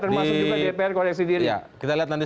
termasuk juga dpr koreksi diri